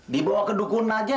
dibawa ke dukun saja